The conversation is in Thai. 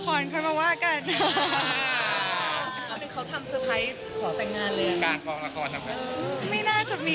พวกเขาอาจจะรอเรื่องนิรราพร้อม